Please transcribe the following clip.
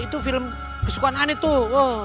itu film kesukaan aneh tuh